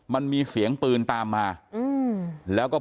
มันมีเสียงปืนตามมา